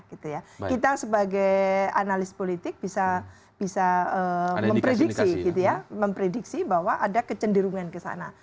kita sebagai analis politik bisa memprediksi bahwa ada kecenderungan ke sana